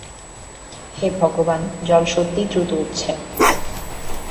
হে ভগবান, জল সত্যিই দ্রুত উঠছে।